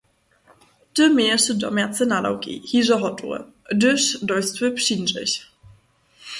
Ty měješe domjace nadawki hižo hotowe, hdyž do jstwy přińdźech.